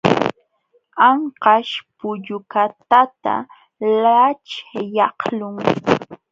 Anqaśh pullukatata laćhyaqlun.